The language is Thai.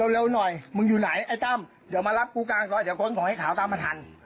เร็วหน่อยมึงอยู่ไหนไอ้ตั้มเดี๋ยวมารับกูกลางซอยเดี๋ยวค้นของไอ้ขาวตามมาทัน